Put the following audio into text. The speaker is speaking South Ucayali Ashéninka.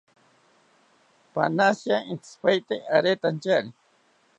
Panashitya intzipaete aretantyari